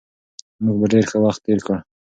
موږ ډېر ښه وخت تېر کړ.